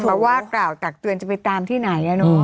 สำหรับว่ากล่าวตักเตือนจะไปตามที่ไหนเนี่ยเนอะ